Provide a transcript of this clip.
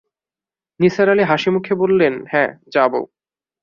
নিসার আলি হাসিমুখে বললেন, হ্যাঁ, যাব।